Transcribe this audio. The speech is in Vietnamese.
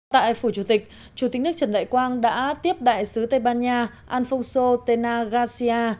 tại phủ chủ tịch chủ tịch nước trần đại quang đã tiếp đại sứ tây ban nha alfonso tena garcia